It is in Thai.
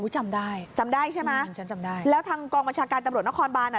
จำได้จำได้ใช่ไหมแล้วทางกองบัญชาการตำรวจนครบาน